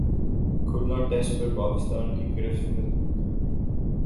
کھلنا test پر پاکستان کی گرفت مضبوط